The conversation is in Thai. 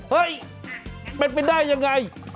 เฮ้ยมันเป็นได้อย่างไร